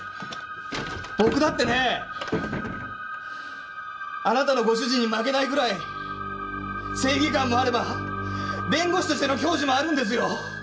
僕だってねあなたのご主人に負けないぐらい正義感もあれば弁護士としての矜持もあるんですよ。